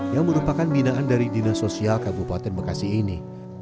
yang merupakan binaan dari dinas sosial kabupaten bekasi ini